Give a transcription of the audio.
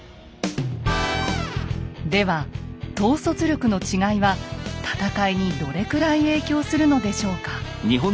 では統率力の違いは戦いにどれくらい影響するのでしょうか。